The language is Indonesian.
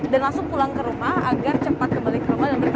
dan langsung pulang ke rumah agar cepat kembali ke rumah dan bertemu keluarga